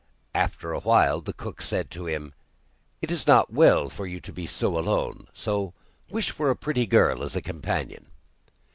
After a while the cook said to him: 'It is not well for you to be so alone, wish for a pretty girl as a companion.